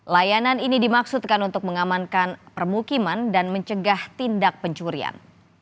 layanan ini dimaksudkan untuk mengamankan permukiman dan mencegah tindak pencurian